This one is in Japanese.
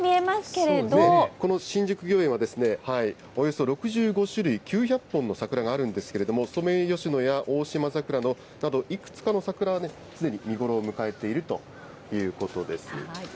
この新宿御苑は、およそ６５種類９００本の桜があるんですけれども、ソメイヨシノやオオシマザクラなど、いくつかの桜はね、すでに見頃を迎えているということです。